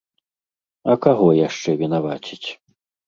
А каго яшчэ вінаваціць?